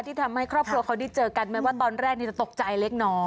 ที่ทำให้ครอบครัวเขาได้เจอกันแม้ว่าตอนแรกนี้จะตกใจเล็กน้อย